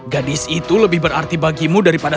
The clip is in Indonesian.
gadis itu lebih berarti bagimu daripada